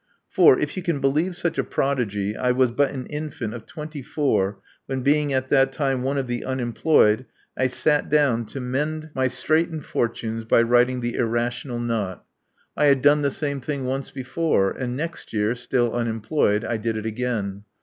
For, if you can believe such a prodigy, I was but an infant of twenty four when, being at that time one of the unemployed, I sat down to mend my V vi Love Among the Artists straitened fortunes by writing The Irrational Knot." I had done the same thing once before ; and next year, still unemployed, I did it again.